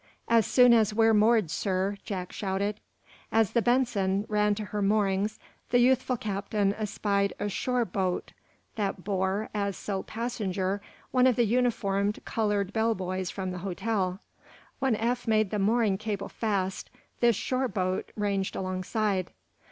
"As soon as we're moored, sir," Jack shouted As the "Benson" ran to her moorings the youthful captain espied a shore boat that bore, as sole passenger, one of the uniformed, colored bell boys from the hotel. When Eph made the mooring cable fast, this shore boat ranged alongside.